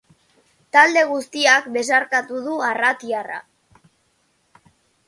Talde guztiak besarkatu du arratiarra.